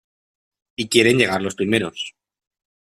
y quieren llegar los primeros.